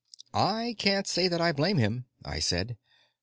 "I can't say that I blame him," I said.